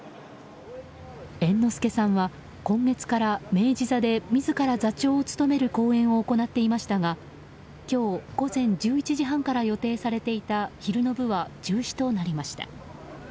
猿之助さんは今月から明治座で自ら座長を務める公演を行っていましたが今日午前１１時半から予定されていた昼の部は中止となりました。